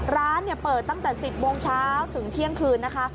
ร้านเปิดตั้งแต่๑๐โมงเช้าถึงเที่ยงคืนนะคะ